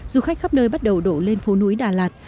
du khách khắp nơi bắt đầu đổ lên phố núi đà lạt